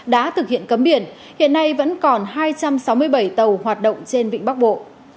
đã thực hiện cấm biển hiện nay vẫn còn hai trăm sáu mươi bảy tàu hoạt động trên vịnh bắc bộ